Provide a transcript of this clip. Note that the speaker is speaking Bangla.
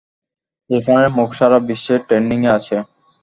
ইরফানের মুখ সারা বিশ্বে ট্রেন্ডিংয়ে আছে।